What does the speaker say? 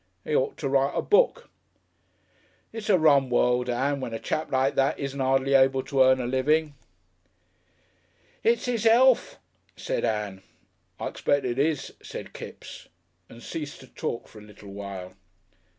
'E ought to write a book.... It's a rum world, Ann, when a chap like that isn't 'ardly able to earn a living." "It's 'is 'ealth," said Ann. "I expect it is," said Kipps, and ceased to talk for a little while.